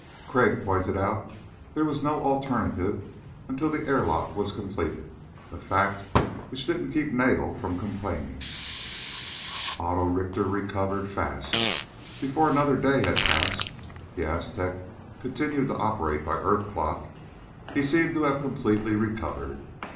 Crag pointed out there was no alternative until the airlock was completed, a fact which didn't keep Nagel from complaining. Otto Richter recovered fast. Before another day had passed the Aztec continued to operate by earth clock he seemed to have completely recovered.